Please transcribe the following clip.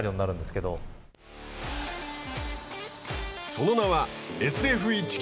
その名はＳＦ１９ＣＮ。